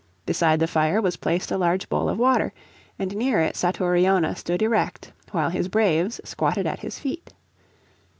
Beside the fire was placed a large bowl of water, and near it Satouriona stood erect, while his braves squatted at his feet.